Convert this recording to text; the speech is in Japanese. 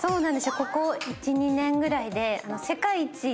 ここ１２年ぐらいで。